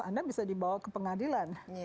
anda bisa dibawa ke pengadilan